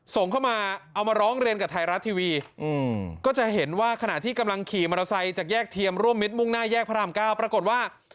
ส่งเข้ามาเอามาร้องเรียนกับไทยรัฐทีวีก็จะเห็นว่าขณะที่กำลังขี่มอเตอร์ไซค์จากแยกเทียมร่วมมิตรมุ่งหน้าแยกพระราม๙ปรากฏว่า